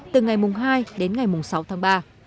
từ ngày hai đến ngày sáu tháng ba